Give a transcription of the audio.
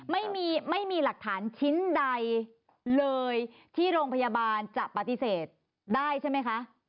ไม่มีไม่มีหลักฐานชิ้นใดเลยที่โรงพยาบาลจะปฏิเสธได้ใช่ไหมคะ